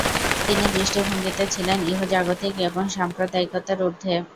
তিনি দৃষ্টিভঙ্গিতে ছিলেন ইহজাগতিক এবং সাম্প্রদায়িকতার উর্ধ্বে।